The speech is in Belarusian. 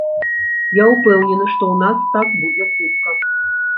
Я ўпэўнены, што ў нас так будзе хутка.